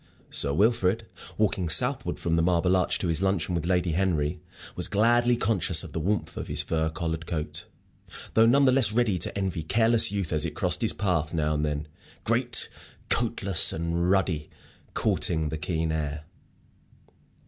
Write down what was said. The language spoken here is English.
Sir Wilfrid, walking southward from the Marble Arch to his luncheon with Lady Henry, was gladly conscious of the warmth of his fur collared coat, though none the less ready to envy careless youth as it crossed his path now and then, great coatless and ruddy, courting the keen air.